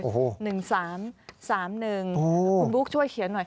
๑๓๓๑คุณบุ๊กช่วยเขียนหน่อย